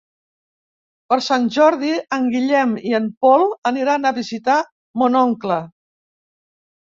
Per Sant Jordi en Guillem i en Pol aniran a visitar mon oncle.